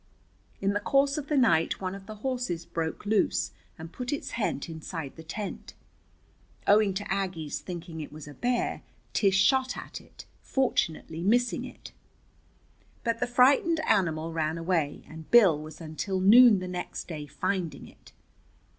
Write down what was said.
In the course of the night one of the horses broke loose and put its head inside the tent. Owing to Aggie's thinking it was a bear, Tish shot at it, fortunately missing it. But the frightened animal ran away, and Bill was until noon the next day finding it.